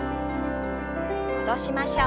戻しましょう。